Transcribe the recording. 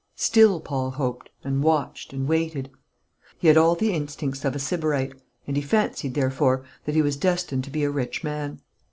Still Paul hoped, and watched, and waited. He had all the instincts of a sybarite, and he fancied, therefore, that he was destined to be a rich man.